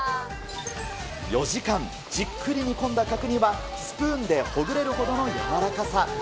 ４時間、じっくり煮込んだ角煮は、スプーンでほぐれるほどのやわらかさ。